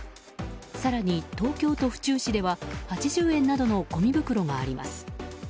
更に東京・府中市では８０円などのごみ袋があります。